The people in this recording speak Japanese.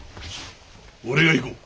俺が行こう。